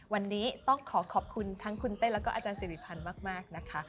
วันนี้ต้องขอขอบคุณทั้งคุณเต้นแล้วก็อาจารย์สิริพันธ์มากนะคะ